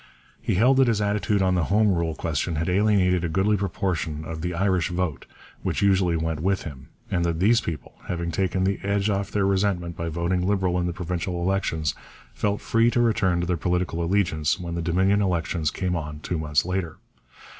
He held that his attitude on the Home Rule question had alienated a goodly proportion of the Irish vote which usually went with him, and that these people, having taken the edge off their resentment by voting Liberal in the provincial elections, felt free to return to their political allegiance when the Dominion elections came on two months later.